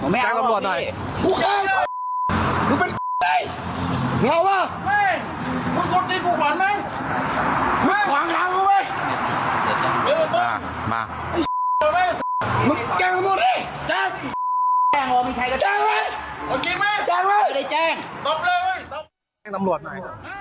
แกล้งตำรวจหน่อย